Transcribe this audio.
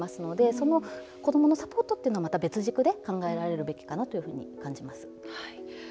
その子どものサポートというのは別軸で考えられるべきかなと感じます。